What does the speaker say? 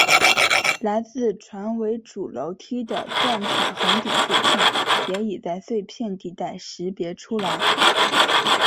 来自船尾主楼梯的锻铁穹顶碎片也已在碎片地带识别出来。